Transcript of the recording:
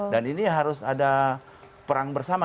dan ini harus ada perang bersama